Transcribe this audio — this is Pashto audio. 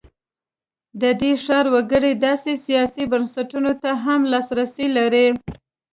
د دې ښار وګړي داسې سیاسي بنسټونو ته هم لاسرسی لري.